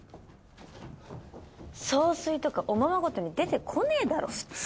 総帥とかおままごとに出てこねえだろ普通。